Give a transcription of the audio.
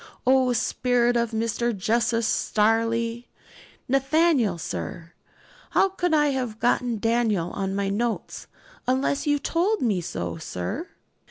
O spirit of Mr. Justice Stareleigh! 'Nathaniel, sir? How could I have got Daniel on my notes, unless you told me so, sir?'